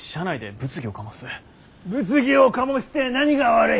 物議を醸して何が悪い！